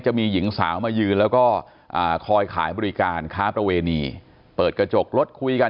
จะมีหญิงสาวมายืนแล้วก็คอยขายบริการค้าประเวณีเปิดกระจกรถคุยกัน